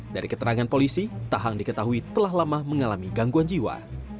dari keterangan polisi tahang diketahui telah lama mengalami gangguan jiwa